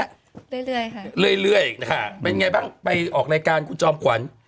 เรื่อยค่ะเรื่อยนะฮะเป็นไงบ้างไปออกรายการคุณจอมขวัญ